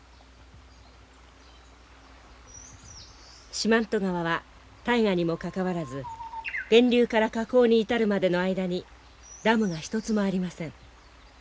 四万十川は大河にもかかわらず源流から河口に至るまでの間にダムが一つもありません。